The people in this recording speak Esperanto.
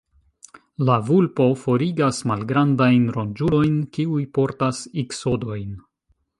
La vulpo forigas malgrandajn ronĝulojn, kiuj portas iksodojn.